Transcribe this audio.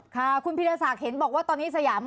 ค่ะคุณพีรศักดิ์เห็นบอกว่าตอนนี้สยาม